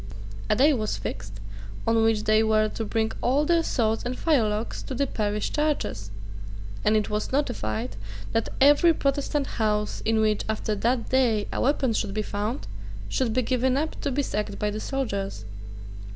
A day was fixed on which they were to bring all their swords and firelocks to the parish churches; and it was notified that every Protestant house in which, after that day, a weapon should be found should be given up to be sacked by the soldiers.